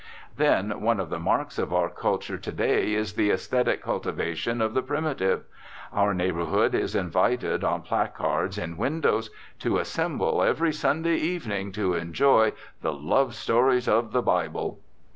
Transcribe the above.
Then, one of the marks of our culture to day is the aesthetic cultivation of the primitive. Our neighbourhood is invited, on placards in windows, to assemble "every Sunday evening" to enjoy the "love stories of the Bible."